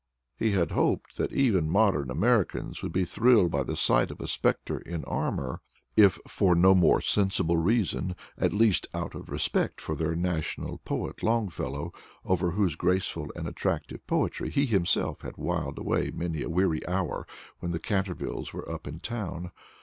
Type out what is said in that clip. He had hoped that even modern Americans would be thrilled by the sight of a Specter in armor, if for no more sensible reason, at least out of respect for their national poet Longfellow, over whose graceful and attractive poetry he himself had whiled away many a weary hour when the Cantervilles were up in town.